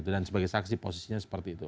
dan sebagai saksi posisinya seperti itu